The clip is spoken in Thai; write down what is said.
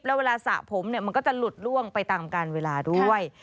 แล้วเวลาสระผมเนี่ยมันก็จะหลุดล่วงไปตามการเวลาด้วย